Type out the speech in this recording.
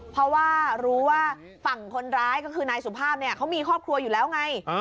เพราะว่ารู้ว่าฝั่งคนร้ายก็คือนายสุภาพเนี่ยเขามีครอบครัวอยู่แล้วไง